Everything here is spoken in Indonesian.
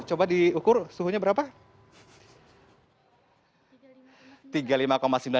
coba diukur suhunya berapa